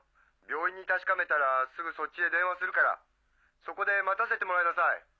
病院に確かめたらすぐそっちへ電話するからそこで待たせてもらいなさい。